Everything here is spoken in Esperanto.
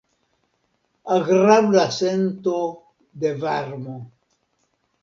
Agrabla sento de varmo.